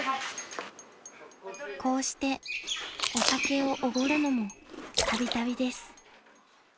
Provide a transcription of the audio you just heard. ［こうしてお酒をおごるのもたびたびです］